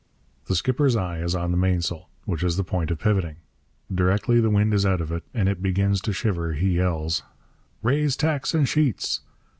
The skipper's eye is on the mainsail, which is the point of pivoting. Directly the wind is out of it and it begins to shiver he yells, 'Raise tacks and sheets!'